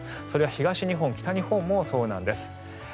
それは東日本、北日本もそうなんです。